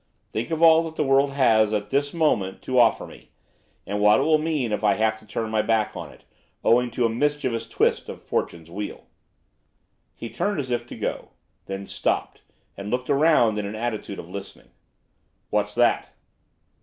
Think of all that the world has, at this moment, to offer me, and what it will mean if I have to turn my back on it, owing to a mischievous twist of fortune's wheel.' He turned, as if to go. Then stopped, and looked round, in an attitude of listening. 'What's that?